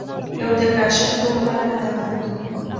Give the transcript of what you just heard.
لَوْ تَكَاشَفْتُمْ مَا تَدَافَنْتُمْ